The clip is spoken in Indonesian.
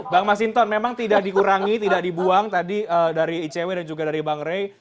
bang masinton memang tidak dikurangi tidak dibuang tadi dari icw dan juga dari bang rey